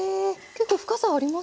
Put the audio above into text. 結構深さありますね。